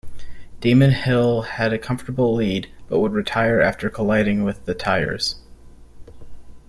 Damon Hill had a comfortable lead but would retire after colliding with the tyres.